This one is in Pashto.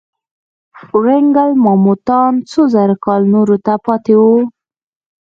ورانګل ماموتان څو زره کاله نورو ته پاتې وو.